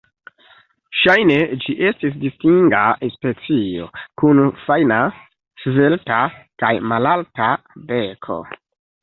Ŝajne ĝi estis distinga specio, kun fajna, svelta kaj malalta beko.